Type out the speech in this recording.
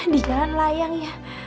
di jalan layang ya